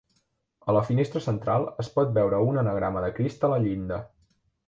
A la finestra central es pot veure un anagrama de Crist a la llinda.